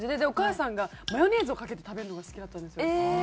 お母さんがマヨネーズをかけて食べるのが好きだったんですよ。